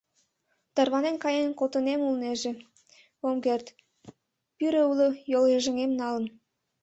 Тарванен каен колтынем улнеже, ом керт: пӱрӧ уло йолйыжыҥем налын.